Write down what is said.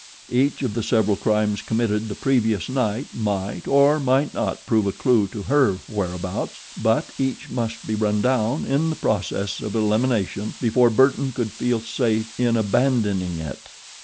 Each of the several crimes committed the previous night might or might not prove a clew to her whereabouts; but each must be run down in the process of elimination before Burton could feel safe in abandoning it.